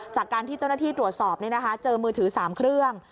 จากการที่เจ้าหน้าที่ตรวจสอบเจอมือถือ๓เครื่อง